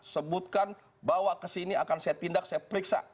sebutkan bawa ke sini akan saya tindak saya periksa